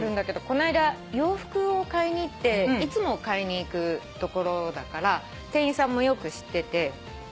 この間洋服を買いに行っていつも買いに行くところだから店員さんもよく知ってて。